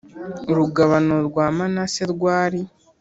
Urugabano rwa manase rwari